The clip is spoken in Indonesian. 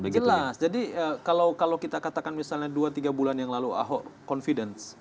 ya jelas jadi kalau kita katakan misalnya dua tiga bulan yang lalu ahok confidence